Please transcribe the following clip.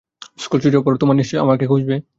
School ছুটি হওয়ার পর তোমরা নিশ্চয়ই আমাকে খুঁজবে?